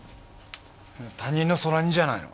他人の空似じゃないの？